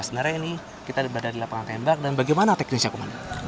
sebenarnya ini kita berada di lapangan tembak dan bagaimana teknisnya kemana